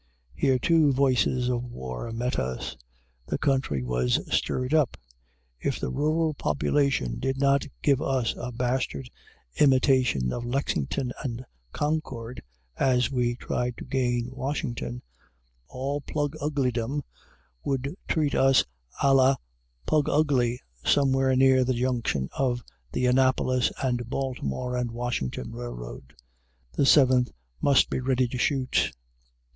Here, too, voices of war met us. The country was stirred up. If the rural population did not give us a bastard imitation of Lexington and Concord, as we tried to gain Washington, all Pluguglydom would treat us à la Plugugly somewhere near the junction of the Annapolis and Baltimore and Washington Railroad. The Seventh must be ready to shoot.